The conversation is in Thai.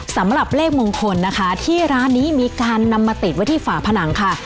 สำหรับเลขมงคลนะคะที่ร้านนี้มีการนำมาติดไว้ที่ฝาผนังค่ะ